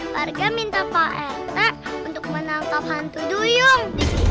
warga minta prt untuk menangkap hantu duyung